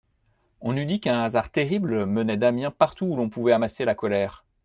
On eût dit qu'un hasard terrible menait Damiens partout où l'on pouvait amasser la colère.